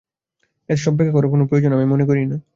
এসব ব্যাখ্যা করার কোনো প্রয়োজন আমি মনে করি না।